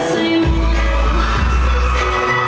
สวัสดีครับ